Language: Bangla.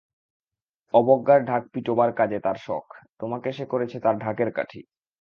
অবজ্ঞার ঢাক পিটোবার কাজে তার শখ, তোমাকে সে করেছে তার ঢাকের কাঠি।